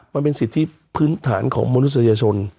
มันเป็นสิทธิพื้นฐานของมนุษยชน